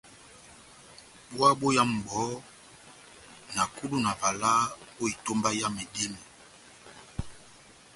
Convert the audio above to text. Búwa bóyámu bohó, na kudu na valaha ó etómba yá medímo.